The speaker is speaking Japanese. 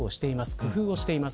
工夫をしています。